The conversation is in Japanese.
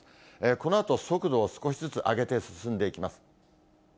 このあと、速度を少しずつ上げて進んでいきます。